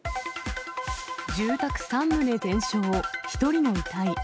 住宅３棟全焼、１人の遺体。